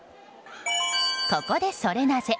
ここでソレなぜ？